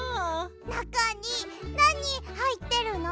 なかになにはいってるの？